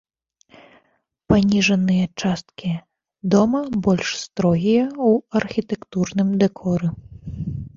Паніжаныя часткі дома больш строгія ў архітэктурным дэкоры.